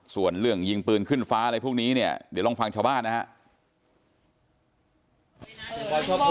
ส่วนเรื่องยิงปืนขึ้นฟ้าอะไรพวกนี้เนี่ยเดี๋ยวลองฟังชาวบ้านนะครับ